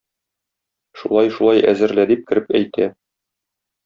Шулай-шулай әзерлә, - дип, кереп әйтә.